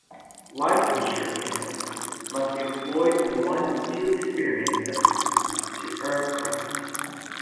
Licensure candidates must be employed in one of two experience settings to earn credit.